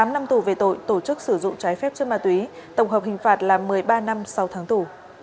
tám năm tù về tội tổ chức sử dụng trái phép chất ma túy tổng hợp hình phạt là một mươi ba năm sáu tháng tù